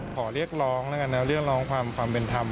ขอเรียกร้องแล้วกันนะเรียกร้องความเป็นธรรม